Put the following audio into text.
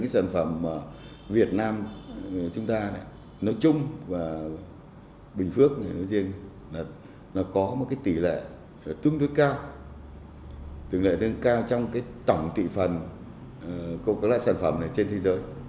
sản phẩm việt nam chúng ta nói chung và bình phước nói riêng là nó có một tỷ lệ tương đối cao trong tổng tỷ phần của các loại sản phẩm trên thế giới